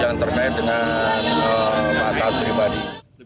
yang terkait dengan taat pribadi